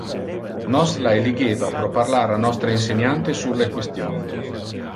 Nos la eligeva pro parlar a nostre inseniante sur le question.